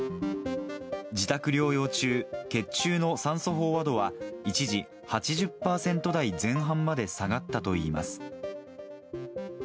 自宅療養中、血中の酸素飽和度は、一時８０％台前半まで下がったといいます。